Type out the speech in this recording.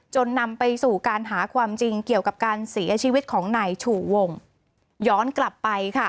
นำไปสู่การหาความจริงเกี่ยวกับการเสียชีวิตของนายชูวงย้อนกลับไปค่ะ